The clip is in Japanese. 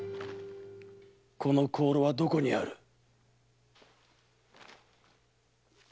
この香炉はどこにある？